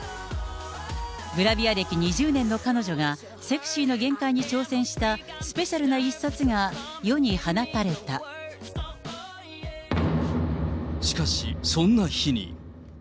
グラビア歴２０年の彼女がセクシーの限界に挑戦したスペシャルなしかしそんな日に。